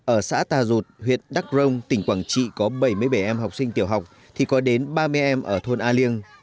ở xã tà rột huyện đắk rông tỉnh quảng trị có bảy mươi bảy em học sinh tiểu học thì có đến ba mươi em ở thôn a liêng